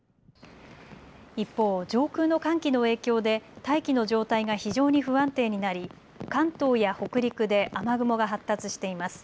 一方、上空の寒気の影響で大気の状態が非常に不安定になり関東や北陸で雨雲が発達しています。